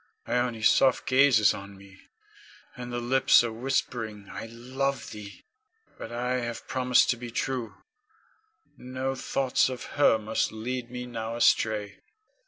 Ione's soft gaze is on me, and the lips are whispering, "I love thee!" But I have promised to be true, no thoughts of her must lead me now astray.